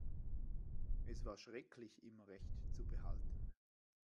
Es war schrecklich, immer Recht zu behalten.